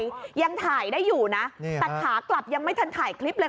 ยังถ่ายได้อยู่นะแต่ขากลับยังไม่ทันถ่ายคลิปเลย